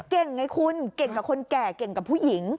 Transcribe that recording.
เก่งไงคุณเก่งกับคนแก่เก่งกับผู้หญิง